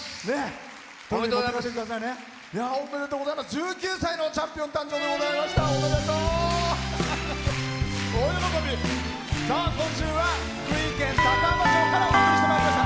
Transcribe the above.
１９歳のチャンピオン誕生でございました。